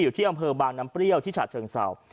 อยู่ที่อำเภอบางน้ำเปรี้ยวที่ฉะเชิงเศร้า